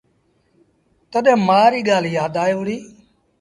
تڏهيݩ مآ ريٚ ڳآل يآد آئي وُهڙي۔